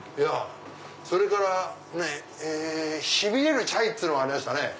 それからしびれるチャイっつうのありましたね。